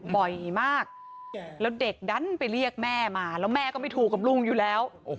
บ่อยมากแล้วเด็กดันไปเรียกแม่มาแล้วแม่ก็ไม่ถูกกับลุงอยู่แล้ว